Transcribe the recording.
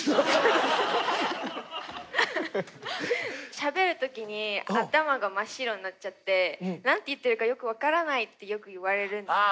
しゃべる時に頭が真っ白になっちゃって何て言ってるかよく分からないってよく言われるんですよ。